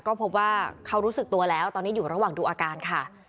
ก็พบว่าเขารู้สึกตัวแล้วตอนนี้อยู่ระหว่างดูอาการค่ะ